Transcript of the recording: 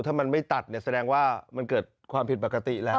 ถ้ามันไม่ตัดเนี่ยแสดงว่ามันเกิดความผิดปกติแล้ว